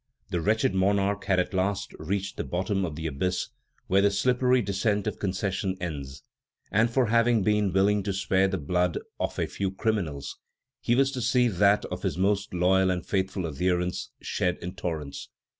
The wretched monarch had at last reached the bottom of the abyss where the slippery descent of concessions ends, and for having been willing to spare the blood of a few criminals, he was to see that of his most loyal and faithful adherents shed in torrents.